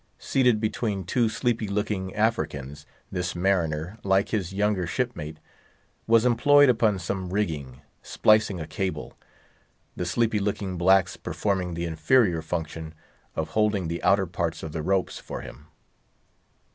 Seated between two sleepy looking Africans, this mariner, like his younger shipmate, was employed upon some rigging—splicing a cable—the sleepy looking blacks performing the inferior function of holding the outer parts of the ropes for him.